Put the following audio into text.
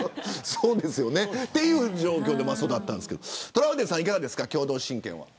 そうですよねという状況で育ったんですけどトラウデンさんいかがですか、共同親権は。